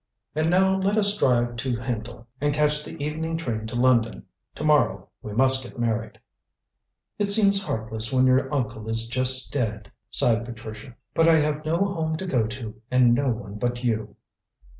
And now let us drive to Hendle and catch the evening train to London. To morrow we must get married." "It seems heartless when your uncle is just dead," sighed Patricia, "but I have no home to go to, and no one but you."